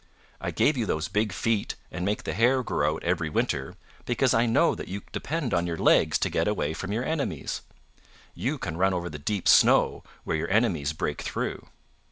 I gave you those big feet and make the hair grow out every winter because I know that you depend on your legs to get away from your enemies. You can run over the deep snow where your enemies break through.